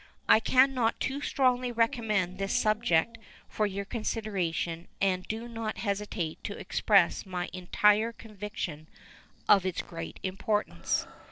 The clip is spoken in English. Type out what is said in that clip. I can not too strongly recommend this subject to your consideration and do not hesitate to express my entire conviction of its great importance.